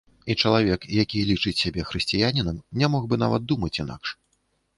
І чалавек, які лічыць сябе хрысціянінам, не мог бы нават думаць інакш.